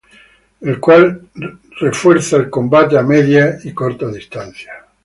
El cual enfatiza el combate a media y corta distancia.